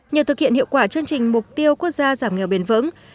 nhờ thực hiện hiệu quả chương trình mục tiêu quốc gia giảm nghèo bền vững